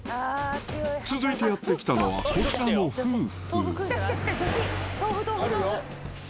続いてやって来たのは、こちらの夫婦。